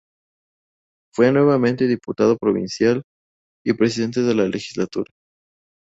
Fue nuevamente diputado provincial y presidente de la legislatura.